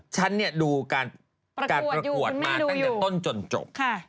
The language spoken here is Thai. ฉันดูการประกวดมาตั้งแต่ต้นจนจบ